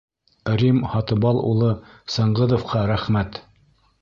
Рим Һатыбал улы Сыңғыҙовҡа рәхмәт!